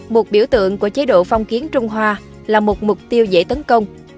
một biểu tượng của chế độ phong kiến trung hoa là một mục tiêu dễ tấn công